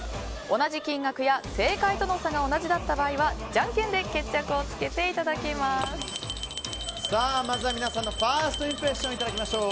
同じ金額や正解との差が同じだった場合はじゃんけんでまずは皆さんのファーストインプレッションをいただきましょう。